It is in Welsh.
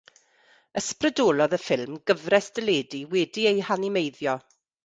Ysbrydolodd y ffilm gyfres deledu wedi ei hanimeiddio.